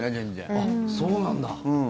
あ、そうなんだ。